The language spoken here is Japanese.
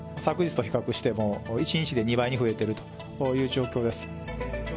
昨日と比較しても、１日で２倍に増えてるという状況です。